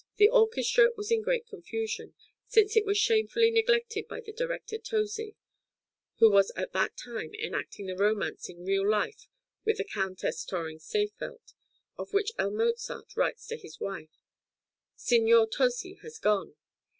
The orchestra was in great confusion, since it was shamefully neglected by the director Tozi, who was at that time enacting the romance in real life with the Countess Törring Seefeld, of which L. Mozart writes to his wife: Signor Tozi has gone.